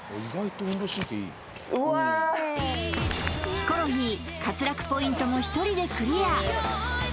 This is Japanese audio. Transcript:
ヒコロヒー滑落ポイントも１人でクリア